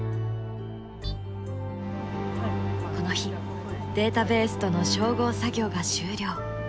この日データベースとの照合作業が終了。